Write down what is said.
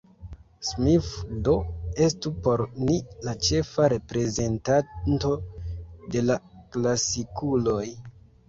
Smith do estu por ni la ĉefa reprezentanto de la klasikuloj.